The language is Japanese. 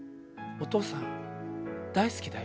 「お父さん大好きだよ」。